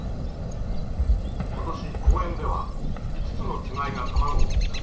今年公園では５つのつがいが卵を産んだ。